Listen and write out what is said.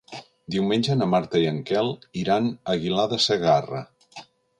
Diumenge na Marta i en Quel iran a Aguilar de Segarra.